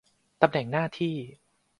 ตำแหน่งหน้าที่